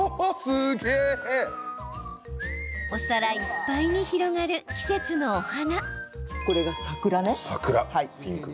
お皿いっぱいに広がる季節のお花。